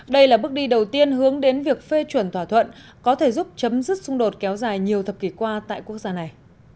đây là bước đi đầu tiên hướng đến việc phê chuẩn thỏa thuận có thể giúp chấm dứt xung đột kéo dài nhiều thập kỷ qua tại quốc gia này